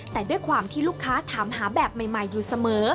แต่ด้วยความที่ลูกค้าถามหาแบบใหม่อยู่เสมอ